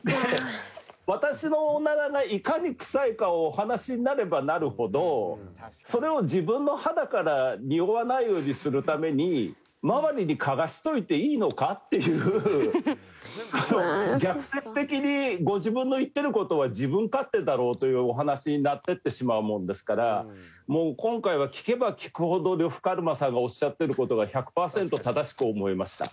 私のオナラがいかに臭いかをお話しになればなるほどそれを自分の肌からにおわないようにするために周りに嗅がせておいていいのかっていう逆説的にご自分の言ってる事は自分勝手だろうというお話になっていってしまうものですから今回は聞けば聞くほど呂布カルマさんがおっしゃってる事が１００パーセント正しく思いました。